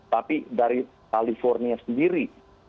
tapi dari california sendiri